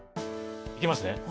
いきますね。